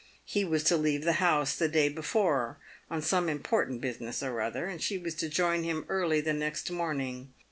He was to leave the house the day before on some important business or other, and she was to join him early the next morning.